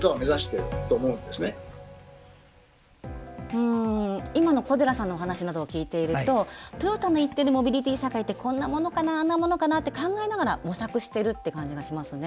うん今の小寺さんのお話などを聞いているとトヨタの言ってるモビリティ社会ってこんなものかなあんなものかなって考えながら模索してるって感じがしますね。